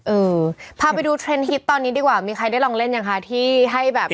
เออพาไปดูเทรนด์ฮิตตอนนี้ดีกว่ามีใครได้ลองเล่นยังคะที่ให้แบบ